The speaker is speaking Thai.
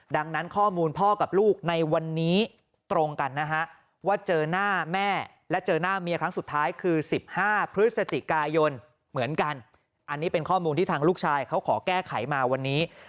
ดังนั้นข้อมูลพ่อกับลูกในวันนี้ตรงกันนะฮะว่าเจอหน้าแม่และเจอหน้าเมียครั้งสุดท้ายคือ๑๕พฤศจิกายนเหมือนกันอันนี้เป็นข้อมูลที่ทางลูกชายเขาขอแก้ไขมาวันนี้